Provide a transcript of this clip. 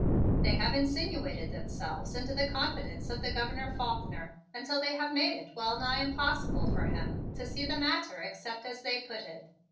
They have insinuated themselves into the confidence of Governor Faulkner until they have made it well nigh impossible for him to see the matter except as they put it.